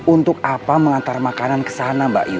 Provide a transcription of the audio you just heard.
untuk apa menghantar makanan ke sana mbak yu